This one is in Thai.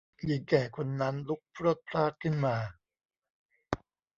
หญิงแก่คนนั้นลุกพรวดพราดขึ้นมา